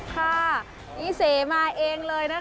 ค่ะนี่เสมาเองเลยนะคะ